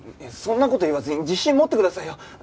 そんな事言わずに自信持ってくださいよ。